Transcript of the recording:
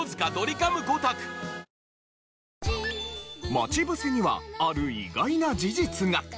『まちぶせ』にはある意外な事実が。